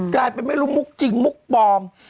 กลายเป็นไม่รู้มุกจริงมุกปลอม